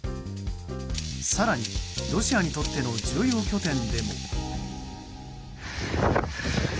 更に、ロシアにとっての重要拠点でも。